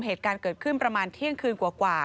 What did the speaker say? เหตุการณ์เกิดขึ้นประมาณเที่ยงคืนกว่า